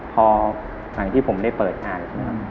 พอหลังที่ผมได้เปิดอ่าน